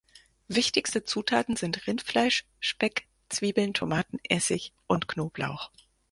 Wichtigste Zutaten sind Rindfleisch, Speck, Zwiebeln, Tomaten, Essig und Knoblauch.